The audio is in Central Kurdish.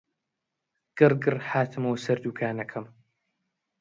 گڕگڕ هاتمەوە سەر دووکانەکەم